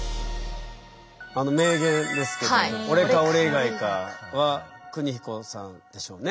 あの名言ですけど「俺か俺以外か」は邦彦さんでしょうね。